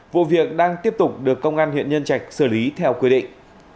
vụ việc đang tiếp tục được công an huyện nhân trạch xử lý theo quy định